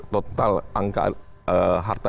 total angka harta